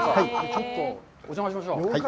ちょっとお邪魔しましょう。